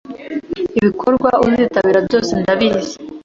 ibikorwa uzitabira byose ndabizi